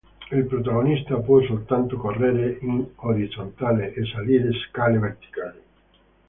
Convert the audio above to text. Il protagonista può soltanto correre in orizzontale e salire scale verticali.